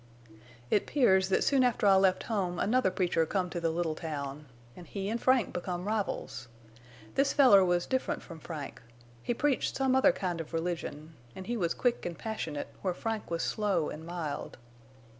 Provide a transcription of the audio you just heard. "It 'pears that soon after I left home another preacher come to the little town. An' he an' Frank become rivals. This feller was different from Frank. He preached some other kind of religion, and he was quick an' passionate, where Frank was slow an' mild.